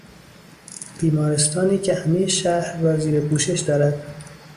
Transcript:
بیمارستانی که همهی شهر را زیر پوشش دارد